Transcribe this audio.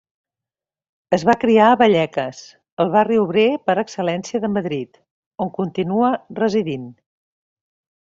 Es va criar a Vallecas, el barri obrer per excel·lència de Madrid, on continua residint.